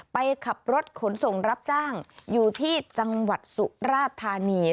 ไปขับรถขนส่งรับจ้างอยู่ที่จังหวัดสุราธานี